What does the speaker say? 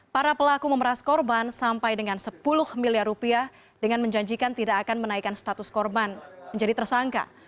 para pelaku memeras korban sampai dengan sepuluh miliar rupiah dengan menjanjikan tidak akan menaikkan status korban menjadi tersangka